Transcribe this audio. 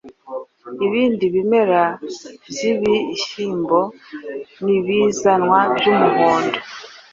Ibindi bimera byibihyimbo nibianzwe byumuhondo,